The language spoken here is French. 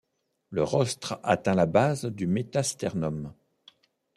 Le rostre atteint la base du métasternum.